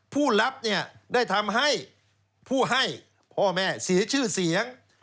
ผู้รับเนี่ยได้ทำให้ผู้ให้พ่อแม่เสียชื่อเสียง